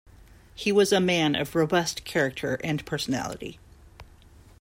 He was a man of robust character and personality.